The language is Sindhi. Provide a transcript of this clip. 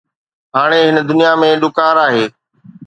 هاڻي هن دنيا ۾ ڏڪار آهي